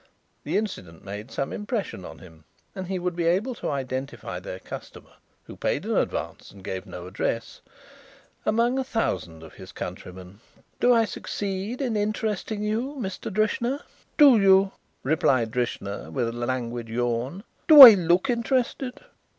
The incident made some impression on him and he would be able to identify their customer who paid in advance and gave no address among a thousand of his countrymen. Do I succeed in interesting you, Mr. Drishna?" "Do you?" replied Drishna, with a languid yawn. "Do I look interested?"